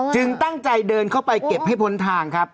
ตั้งใจเดินเข้าไปเก็บให้พ้นทางครับ